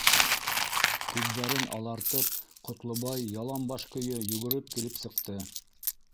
Күҙҙәрен алартып, Ҡотлобай ялан баш көйө йүгереп килеп сыҡты.